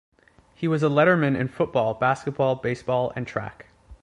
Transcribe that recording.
He was a letterman in football, basketball, baseball, and track.